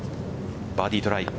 バーディートライ。